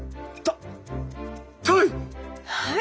はい！